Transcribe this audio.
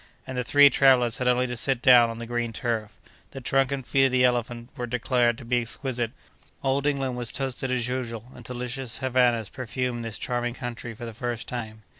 And the three travellers had only to sit down on the green turf. The trunk and feet of the elephant were declared to be exquisite. Old England was toasted, as usual, and delicious Havanas perfumed this charming country for the first time.